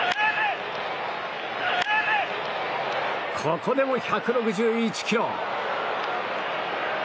ここでも１６１キロ。